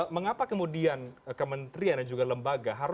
mengapa kemudian kementerian dan juga lembaga